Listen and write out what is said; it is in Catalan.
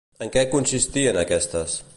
En què consistien aquestes?